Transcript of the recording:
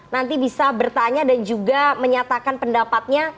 nanti bisa bertanya dan juga menyatakan pendapatnya